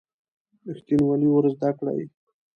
ریښتینولي ور زده کړئ.